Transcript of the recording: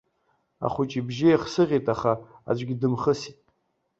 Ахәыҷы ибжьы еихсыӷьит, аха аӡәгьы дымхысит.